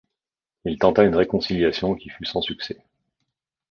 Il tenta une réconciliation qui fut sans succès.